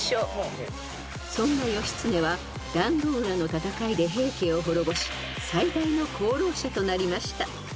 ［そんな義経は壇ノ浦の戦いで平家を滅ぼし最大の功労者となりました］